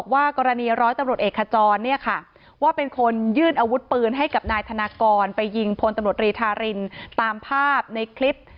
ว่าเป็นคนยื่นอาวุธปืนให้กับนายธนากรไปยิงพลตำรวจรีธารินตามภาพในคลิป